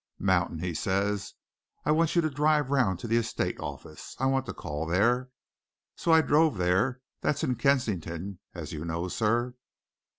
'Mountain,' he says, 'I want you to drive round to the estate office I want to call there.' So I drove there that's in Kensington, as you know, sir.